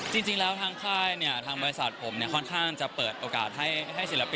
จริงแล้วทางค่ายเนี่ยทางบริษัทผมเนี่ยค่อนข้างจะเปิดโอกาสให้ศิลป